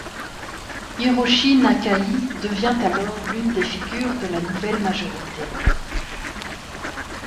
Hiroshi Nakai devient alors l'une des figures de la nouvelle majorité.